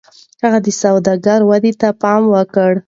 هغه د سوداګرۍ ودې ته پام وکړ.